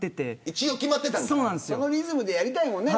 自分のリズムでやりたいもんね